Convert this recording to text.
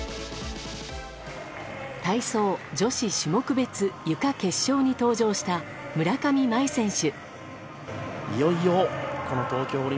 体操女子種目別ゆか決勝に登場した村上茉愛選手。